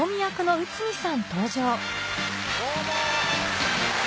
どうも。